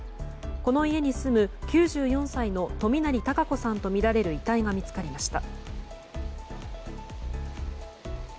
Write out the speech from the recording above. この家に住む９４歳の冨成孝子さんとみられる遺体が見つかりました。